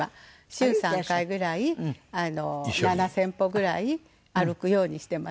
週３回ぐらい７０００歩ぐらい歩くようにしてます。